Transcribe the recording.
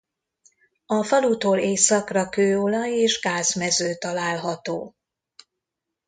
A falutól északra kőolaj- és gázmező található.